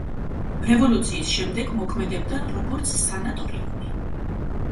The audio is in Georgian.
რევოლუციის შემდეგ მოქმედებდა როგორც სანატორიუმი.